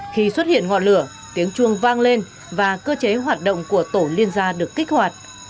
khi xuất hiện ngọn lửa tiếng chuông vang lên và cơ chế hoạt động của tổ liên gia được kích hoạt